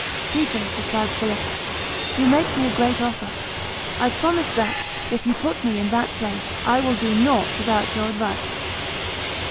"Peter," replied Philip, "you make me a great offer; I promise that, if you put me in that place, I will do nought without your advice."